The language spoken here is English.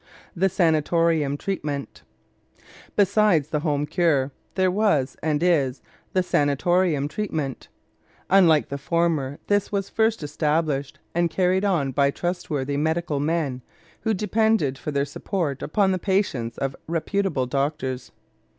THE SANATORIUM TREATMENT Besides the home cure there was, and is, the sanatorium treatment. Unlike the former, this was first established and carried on by trustworthy medical men, who depended for their support upon the patients of reputable doctors.